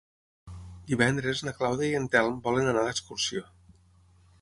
Divendres na Clàudia i en Telm volen anar d'excursió.